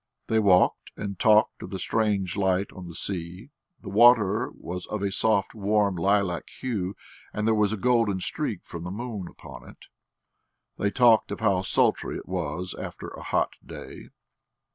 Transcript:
They walked and talked of the strange light on the sea: the water was of a soft warm lilac hue, and there was a golden streak from the moon upon it. They talked of how sultry it was after a hot day.